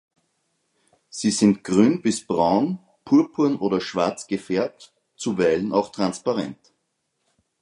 Sie sind grün bis braun, purpurn oder schwarz gefärbt, zuweilen auch transparent.